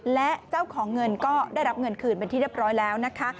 และเจ้าของเงินก็ได้รับเงินคืนเป็นที่เรียบร้อยแล้วนะคะ